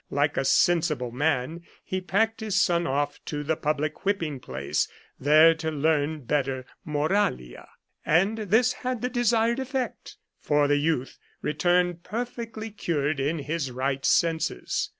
Like a sensible man he packed his son off to the public whipping place, there to learn better moralta. And this had the desired effect ; for the youth returned perfectly cured and in his right senses.